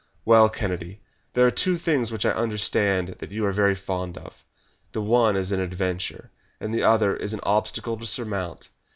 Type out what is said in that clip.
"Well, Kennedy, there are two things which I understand that you are very fond of. The one is an adventure, and the other is an obstacle to surmount.